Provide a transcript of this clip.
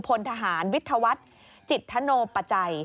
พลทหารวิทยาวัฒน์จิตธโนปัจจัย